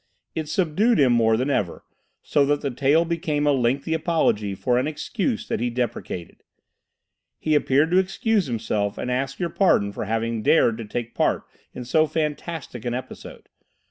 It subdued him more than ever, so that the tale became a lengthy apology for an experience that he deprecated. He appeared to excuse himself and ask your pardon for having dared to take part in so fantastic an episode.